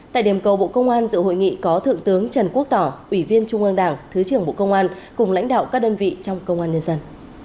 tại điểm cầu bộ công an dự hội nghị có thượng tướng trần quốc tỏ ủy viên trung ương đảng thứ trưởng bộ công an cùng lãnh đạo các đơn vị trong công an nhân dân